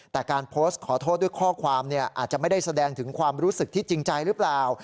แต่การโพสต์ขอโทษด้วยข้อความอาจจะไม่ได้แสดงถึงความรู้สึกที่จริงใจหรือเปล่า